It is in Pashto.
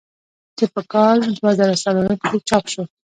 چې پۀ کال دوه زره څلورم کښې چاپ شو ۔